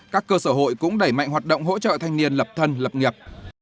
các cơ sở hội cũng đẩy mạnh hoạt động hỗ trợ thanh niên lập thân lập nghiệp